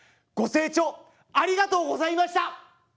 ご清聴ありがとうございました！